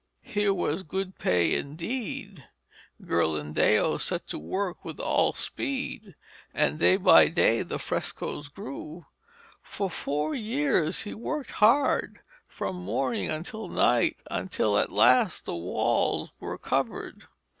Here was good pay indeed. Ghirlandaio set to work with all speed, and day by day the frescoes grew. For four years he worked hard, from morning until night, until at last the walls were covered.